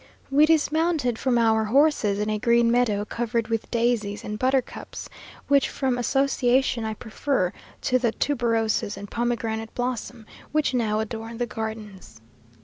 We dismounted from our horses in a green meadow covered with daisies and buttercups, which, from association, I prefer to the tuberoses and pomegranate blossom, which now adorn the gardens.